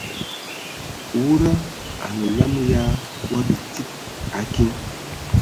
Wuda anə olam ya wa bi tsid a kiŋ.